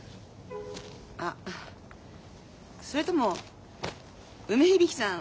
あっそれとも梅響さん